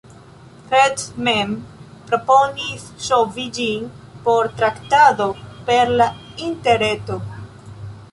Fettes mem proponis ŝovi ĝin por traktado per la interreto.